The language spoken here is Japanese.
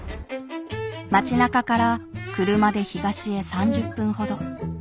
町なかから車で東へ３０分ほど。